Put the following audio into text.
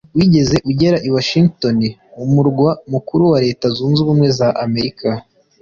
wigeze ugera i washington, umurwa mukuru wa leta zunze ubumwe za amerika